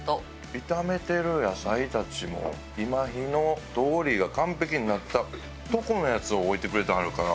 炒めてる野菜たちも今火の通りが完璧になったとこのやつを置いてくれてはるから。